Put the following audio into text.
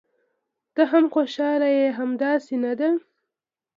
ته هم خوشاله یې، همداسې نه ده؟